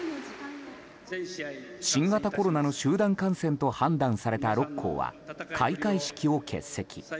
新型コロナの集団感染と判断された６校は開会式を欠席。